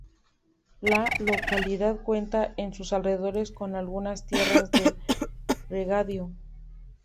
La localidad cuenta en sus alrededores con algunas tierras de regadío.